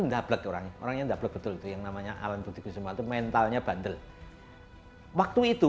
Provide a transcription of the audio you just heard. ndablek orangnya ndablek betul itu yang namanya alan putih kusuma mentalnya bandel waktu itu